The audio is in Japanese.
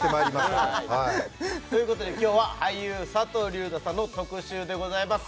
はいということで今日は俳優佐藤隆太さんの特集でございます